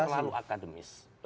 itu terlalu akademis